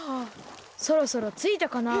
そろそろついたかな。